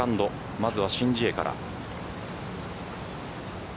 まずは申ジエから。